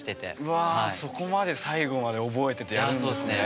うわそこまで最後まで覚えててやるんですね。